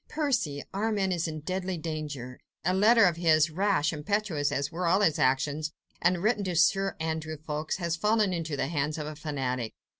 "Percy!—Armand is in deadly danger. A letter of his ... rash, impetuous, as were all his actions, and written to Sir Andrew Ffoulkes, has fallen into the hands of a fanatic.